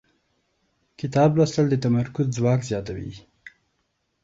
کتاب لوستل د تمرکز ځواک زیاتوي